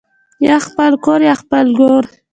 یا خپل کور یا خپل ګور